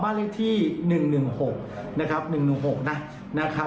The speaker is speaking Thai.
บ้านเลขที่๑๑๖นะครับ๑๑๖นะครับ